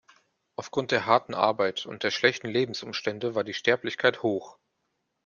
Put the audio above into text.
Aufgrund der harten Arbeit und der schlechten Lebensumstände war die Sterblichkeit hoch.